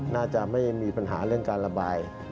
น่าจะไม่มีปัญหาเรื่องการระบาย